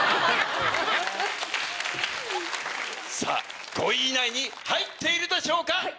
さぁ５位以内に入っているでしょうか